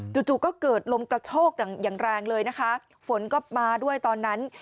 จู่ก็เกิดลมกระโชกอย่างแรงเลยนะคะฝนก็มาด้วยตอนนั้น